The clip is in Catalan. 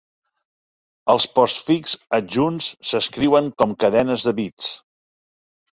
Els postfix adjunts s'escriuen com cadenes de bits.